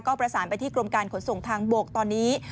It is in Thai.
ก็ประสานไปที่กรมการขนส่งทางบกตอนนี้